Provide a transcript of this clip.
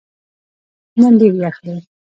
نن ډېر یخ دی.